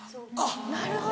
なるほど！